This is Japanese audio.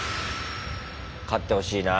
勝ってほしいなあ。